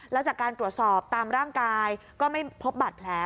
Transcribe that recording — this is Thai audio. แล้วจากการตรวจสอบตามร่างกายก็ไม่พบบาดแผล